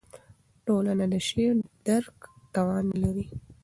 ټولنه د شعر د درک توان نه لري.